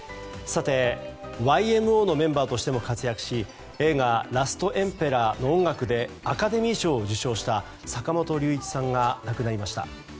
ＹＭＯのメンバーとしても活躍し映画「ラストエンペラー」の音楽でアカデミー賞を受賞した坂本龍一さんが亡くなりました。